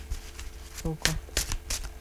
海因里希五世。